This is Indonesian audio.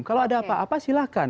kalau ada apa apa silahkan